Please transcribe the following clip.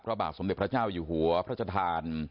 พระบาทสมเด็จพระเจ้าอยู่หัวพระชธาน